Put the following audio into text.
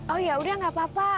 oh yaudah gak apa apa